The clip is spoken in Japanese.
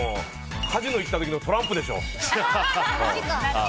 カジノ行った時のトランプでしょ！